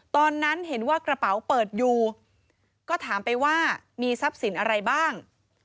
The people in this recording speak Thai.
ตอนนั้นเห็นว่ากระเป๋าเปิดอยู่ก็ถามไปว่ามีทรัพย์สินอะไรบ้าง